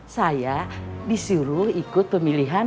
saya disuruh ikut pemilihan